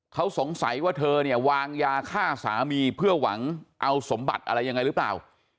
เขาสงสัยว่าเธอเนี่ยวางยาฆ่าสามีเพื่อหวังเอาสมบัติอะไรยังไงหรือเปล่า